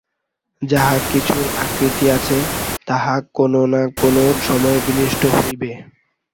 যাহা কিছুর আকৃতি আছে, তাহা কোন না কোন সময়ে বিনষ্ট হইবে।